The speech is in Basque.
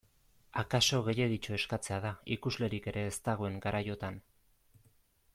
Akaso gehiegitxo eskatzea da, ikuslerik ere ez dagoen garaiotan.